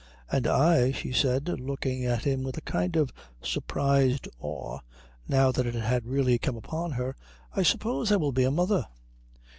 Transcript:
"And I," she said, looking at him with a kind of surprised awe now that it had really come upon her, "I suppose I will be a mother."